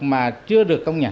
mà chưa được công nhận